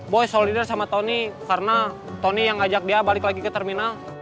boy solidar sama tony karena tony yang ajak dia balik lagi ke terminal